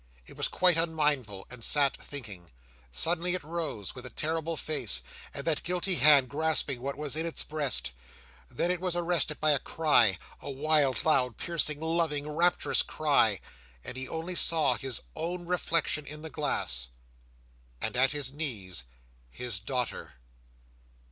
It was quite unmindful, and sat thinking. Suddenly it rose, with a terrible face, and that guilty hand grasping what was in its breast. Then it was arrested by a cry—a wild, loud, piercing, loving, rapturous cry—and he only saw his own reflection in the glass, and at his knees, his daughter!